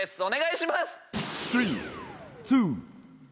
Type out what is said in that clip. お願いします！